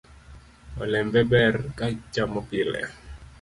Olembe ber ka ichamo pile